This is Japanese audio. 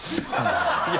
いや